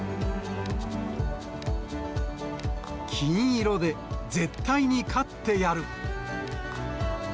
金色で、絶対に勝ってやる。